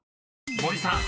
［森さん